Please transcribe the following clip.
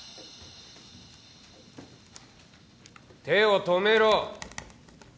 手を止めろ。